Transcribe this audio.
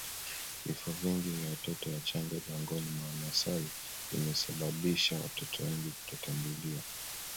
Vifo vingi vya watoto wachanga miongoni mwa Wamasai vimesababisha watoto wengi kutotambuliwa